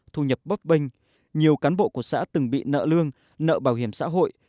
thu nhập bóp binh nhiều cán bộ của xã từng bị nợ lương nợ bảo hiểm xã hội